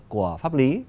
của pháp lý